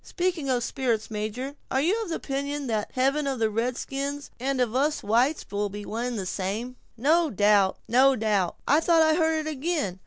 Speaking of spirits, major, are you of opinion that the heaven of a red skin and of us whites will be of one and the same?" "No doubt—no doubt. I thought I heard it again!